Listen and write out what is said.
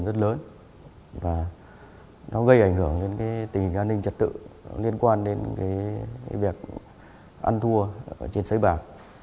rất lớn và nó gây ảnh hưởng đến tình hình an ninh trật tự liên quan đến việc ăn thua trên sới bạc